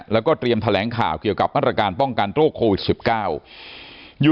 แล้วก็เตรียมแถลงข่าวเกี่ยวกับมาตรการป้องกันโรคโควิด๑๙